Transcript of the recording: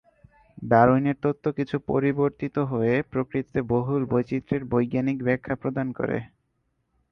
ডারউইনের তত্ত্ব কিছু পরিবর্তিত হয়ে প্রকৃতিতে বহুল বৈচিত্রের বৈজ্ঞানিক ব্যাখ্যা প্রদান করে।